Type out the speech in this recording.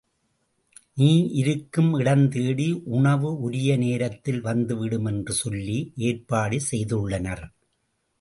நீ இருக்கும் இடம் தேடி உணவு உரிய நேரத்தில் வந்து விடும் என்று சொல்லி ஏற்பாடு செய்துள்ளனர்.